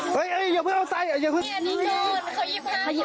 เฮ้ยอย่าเพิ่งเอาใส่